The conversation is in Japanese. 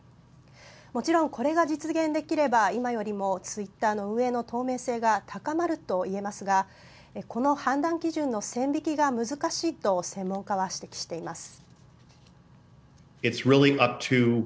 もちろん、これが実現できれば今よりもツイッターの運営の透明性が高まると言えますがこの判断基準の線引きが難しいと専門家は指摘しています。